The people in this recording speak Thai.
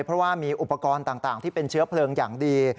เพราะว่ามีอุปกรณ์ต่างที่เป็นเชื้อเพลิงอย่างดี